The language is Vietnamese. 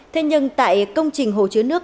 thế nhưng tại công trình hồ chứa nước